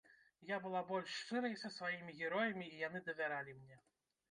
Я была больш шчырай са сваімі героямі, і яны давяралі мне.